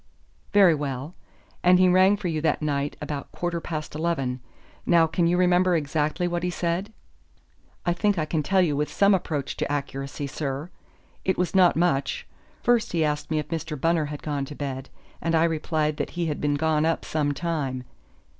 "Very well; and he rang for you that night about a quarter past eleven. Now can you remember exactly what he said?" "I think I can tell you with some approach to accuracy, sir. It was not much. First he asked me if Mr. Bunner had gone to bed, and I replied that he had been gone up some time.